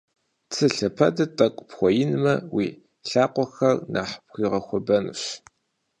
Цы лъэпэдыр тӏэкӏу пхуэинмэ, уи лъакъуэхэр нэхъ игъэхуэбэнущ.